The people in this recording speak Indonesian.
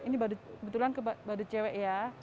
ini kebetulan ke badut cewek ya